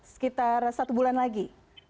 sekitar satu bulan lagi